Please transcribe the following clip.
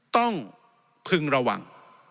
ต้องคึงระวัง